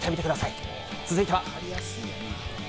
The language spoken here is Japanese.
続いては。